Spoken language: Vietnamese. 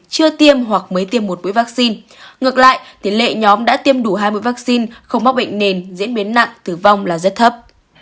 chưa tiêm hoặc mới tiêm một mũi vaccine ngược lại tỷ lệ nhóm đã tiêm đủ hai mươi vaccine không mắc bệnh nền diễn biến nặng tử vong là rất thấp